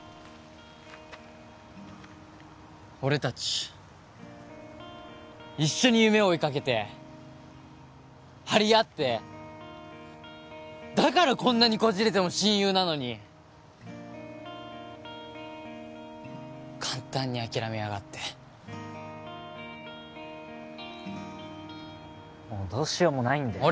俺達一緒に夢追いかけて張り合ってだからこんなにこじれても親友なのに簡単に諦めやがってもうどうしようもないんだよ